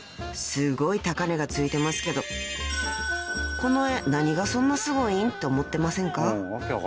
すごい高値が付いてますけど「この絵何がそんなすごいん？」って思ってませんか？］